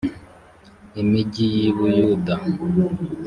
imigi y i buyuda